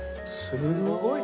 すごい！